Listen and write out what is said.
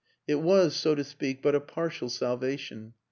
... It was, so to speak, but a partial salvation.